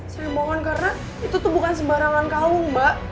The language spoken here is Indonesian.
saya mohon karena itu tuh bukan sebarangan kalung mbak